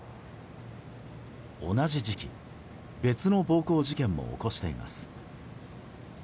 同じ時期、別の暴行事件も起こしています。